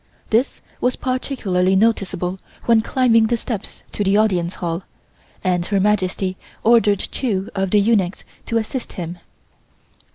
This was particularly noticeable when climbing the steps to the Audience Hall, and Her Majesty ordered two of the eunuchs to assist him.